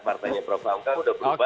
partai yang beroperaumkan sudah berubah